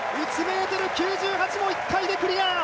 １ｍ９８も１回でクリア！